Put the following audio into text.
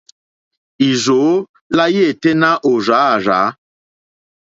Ì rzô lá yêténá ò rzá àrzá.